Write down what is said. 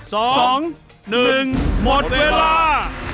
หมดเวลา